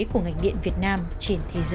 của ngành điện việt nam trên thế giới